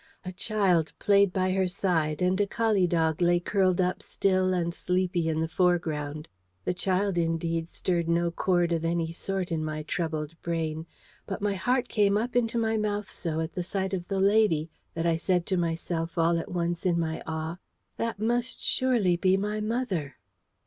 A child played by her side, and a collie dog lay curled up still and sleepy in the foreground. The child, indeed, stirred no chord of any sort in my troubled brain; but my heart came up into my mouth so at sight of the lady, that I said to myself all at once in my awe, "That must surely be my mother!"